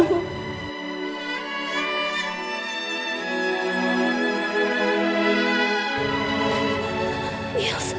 rumah kami adalah tempat kamu buat pulang